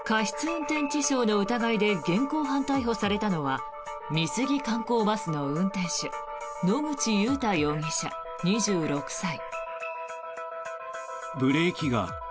運転致傷の疑いで現行犯逮捕されたのは美杉観光バスの運転手野口祐太容疑者、２６歳。